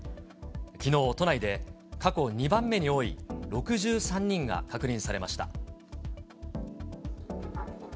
きのう都内で、過去２番目に多い６３人が確認されました。